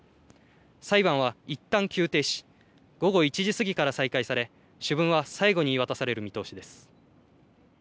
裁判は、いったん休廷し午後１時過ぎから再開され主文は最後に言い渡される見通しです。